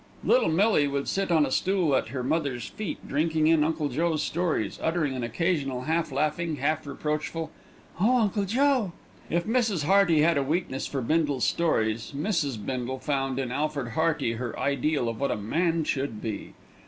Little Millie would sit on a stool at her mother's feet drinking in Uncle Joe's stories, uttering an occasional half laughing, half reproachful, "Oh, Uncle Joe!" If Mrs. Hearty had a weakness for Bindle's stories, Mrs. Bindle found in Alfred Hearty her ideal of what a man should be.